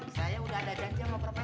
saya udah ada jualnya